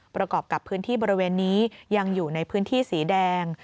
ประกอบกับพื้นที่บริเวณนี้ยังอยู่ในพื้นที่สีแดง